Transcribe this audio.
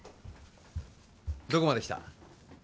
どこまできた？